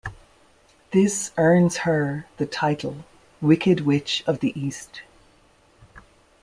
This earns her the title "Wicked Witch of the East".